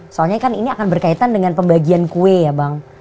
soalnya kan ini akan berkaitan dengan pembagian kue ya bang